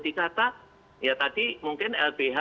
dikata ya tadi mungkin lbh